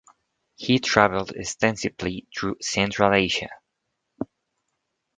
He traveled extensively through Central Asia.